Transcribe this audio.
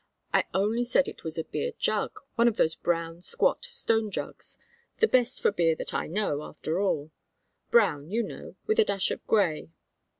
"I only said it was a beer jug, one of those brown, squat, stone jugs, the best for beer that I know, after all, brown, you know, with a dash of gray."